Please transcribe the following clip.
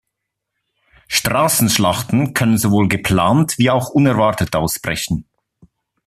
Straßenschlachten können sowohl geplant wie auch unerwartet ausbrechen.